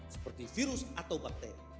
seperti virus atau bakter